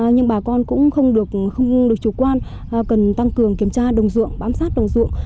nhưng bà con cũng không được chủ quan cần tăng cường kiểm tra đồng dượng bám sát đồng dượng